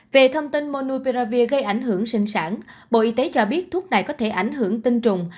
về thông tin monuperavi gây ảnh hưởng sinh sản bộ y tế cho biết thuốc này có thể ảnh hưởng tinh trùng